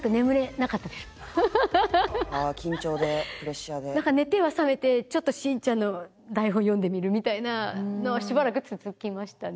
「ああ緊張でプレッシャーで」なんか寝ては覚めてちょっと『しんちゃん』の台本読んでみるみたいなのはしばらく続きましたね。